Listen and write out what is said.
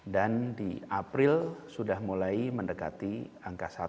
dan di april sudah mulai mendekati angka satu